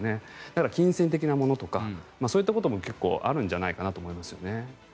だから、金銭的なものとかそういったことも結構あるんじゃないかと思いますよね。